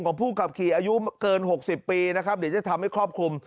ผู้ขับขี่อายุเกิน๖๐ปีนะครับเดี๋ยวจะทำให้ครอบคลุม